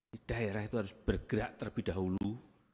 di daerah itu harus bergerak terlebih dahulu